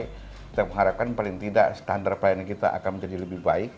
kita mengharapkan paling tidak standar pelayanan kita akan menjadi lebih baik